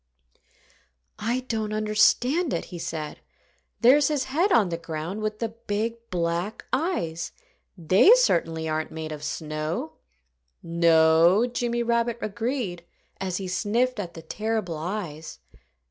"I don't understand it," he said. "There's his head on the ground, with the big, black eyes. They certainly aren't made of snow." "No!" Jimmy Rabbit agreed, as he sniffed at the terrible eyes.